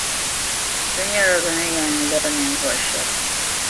Ti nyɛla bɛ ni yɛn liri ninvuɣu shεba.